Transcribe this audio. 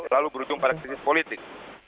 lalu berujung pada krisis politik